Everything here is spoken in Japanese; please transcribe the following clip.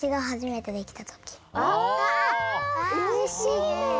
うれしいね！